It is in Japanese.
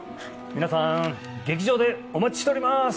皆さん、劇場でお待ちしております。